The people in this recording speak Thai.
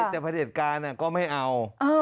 แต่พระเด็จการก็ไม่เอา